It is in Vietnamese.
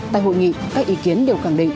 tại hội nghị các ý kiến đều khẳng định